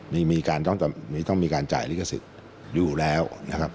มีการต้องมีการจ่ายลิขสิทธิ์อยู่แล้วนะครับ